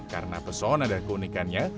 gg entry mail sebagaimana